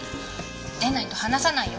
でないと離さないよ